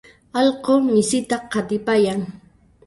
allqu misita qatipayan.